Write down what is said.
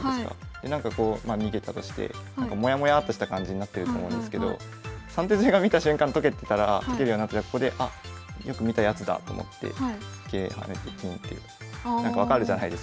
でなんかこう逃げたとしてもやもやっとした感じになってると思うんですけど３手詰が見た瞬間解けるようになってたらここで「あっよく見たやつだ」と思って桂跳ねて金ってなんか分かるじゃないですか。